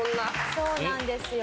そうなんですよ。